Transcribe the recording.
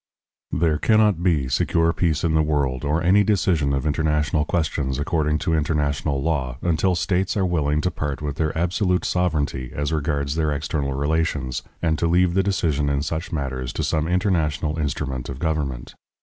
There cannot be secure peace in the world, or any decision of international questions according to international law, until states are willing to part with their absolute sovereignty as regards their external relations, and to leave the decision in such matters to some international instrument of government.